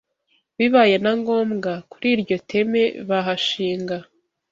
Bibaye na ngombwa kuri iryo teme bahashinga